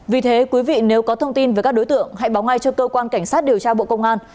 vì thế quý vị nếu có thông tin về các đối tượng hãy báo ngay cho cơ quan cảnh sát điều tra bộ công an